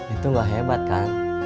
itu enggak hebat kan